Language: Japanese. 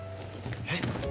えっ？